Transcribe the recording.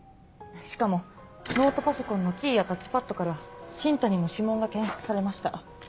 しかもノートパソコンのキーやタッチパッドから新谷の指紋が検出されました。